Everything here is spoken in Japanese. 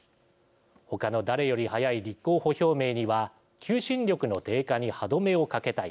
他の誰より早い立候補表明には求心力の低下に歯止めをかけたい